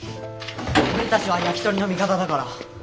俺たちはヤキトリの味方だから。